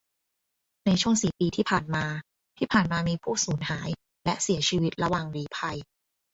ในช่วงสี่ปีที่ผ่านมา ที่ผ่านมามีผู้สูญหายและเสียชีวิตระหว่างลี้ภัย